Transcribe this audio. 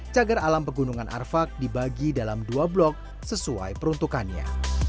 cagar alam pegunungan arfak dibagi dalam dua blok sesuai peruntukannya